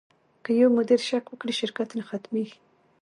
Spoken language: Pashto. که یو مدیر شک وکړي، شرکت نه ختمېږي.